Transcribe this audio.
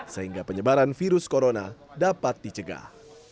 sehingga penyebaran virus corona dapat dicegah